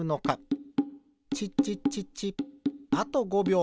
チッチッチッチッあと５びょう。